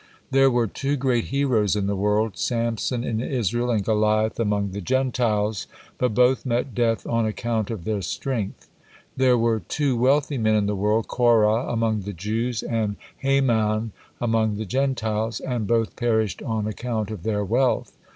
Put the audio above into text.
There were two great heroes in the world, Samson in Israel, and Goliath among the Gentiles, but both met death on account of their strength. There were two wealthy men in the world, Korah among the Jews, and Haman among the Gentiles, and both perished on account of their wealth.